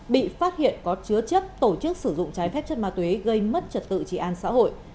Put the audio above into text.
bị phát hiện có chứa chấp tổ chức sử dụng trái phép chất ma túy gây mất trật tự trị an xã hội